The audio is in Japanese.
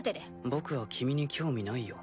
僕は君に興味ないよ。